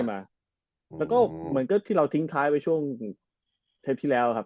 แล้วก็เหมือนก็ที่เราทิ้งท้ายไปช่วงเทปที่แล้วครับ